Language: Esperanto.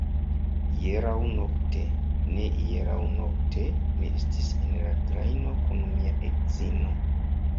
Hieraŭ nokte, ne hieraŭ nokte, mi estis en la trajno kun mia edzino.